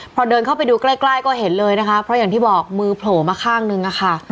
พอเดินเข้าไปดูใกล้ใกล้ก็เห็นเลยนะคะเพราะอย่างที่บอกมือโผล่มาข้างนึงอะค่ะ